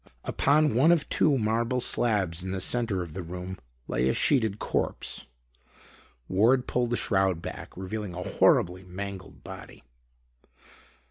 Upon one of two marble slabs in the center of the room, lay a sheeted corpse. Ward pulled the shroud back, revealing a horribly mangled body.